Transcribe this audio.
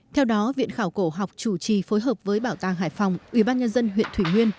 theo đó viện khảo cổ học chủ trì phối hợp với bảo tàng hải phòng ubnd huyện thủy nguyên